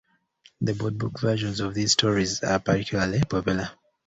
The board book versions of these stories are particularly popular.